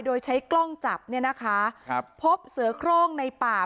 โดยใช้กล้องจับเนี่ยนะคะครับพบเสือโครงในป่า